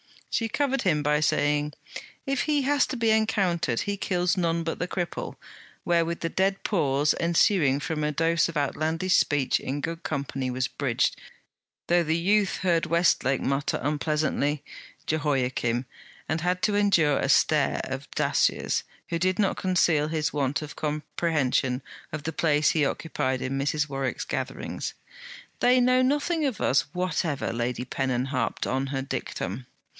She covered him by saying: 'If he has to be encountered, he kills none but the cripple,' wherewith the dead pause ensuing from a dose of outlandish speech in good company was bridged, though the youth heard Westlake mutter unpleasantly: 'Jehoiachim,' and had to endure a stare of Dacier's, who did not conceal his want of comprehension of the place he occupied in Mrs. Warwick's gatherings. 'They know nothing of us whatever!' Lady Pennon harped on her dictum.